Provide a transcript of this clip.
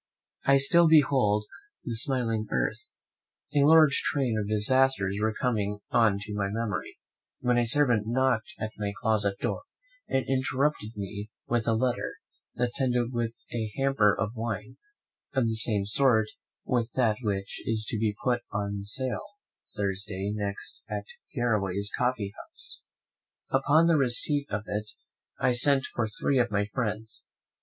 I still behold the smiling earth A large train of disasters were coming on to my memory, when my servant knocked at my closet door, and interrupted me with a letter, attended with a hamper of wine, of the same sort with that which is to be put to sale on Thursday next at Garraway's coffee house. Upon the receipt of it I sent for three of my friends.